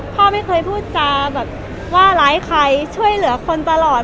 พ่อไม่เคยพูดจาแบบว่าร้ายใครช่วยเหลือคนตลอด